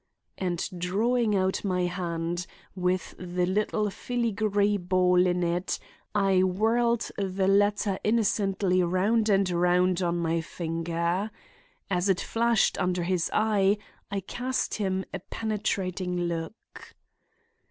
And drawing out my hand, with the little filigree ball in it, I whirled the latter innocently round and round on my finger. As it flashed under his eye, I cast him a penetrating look.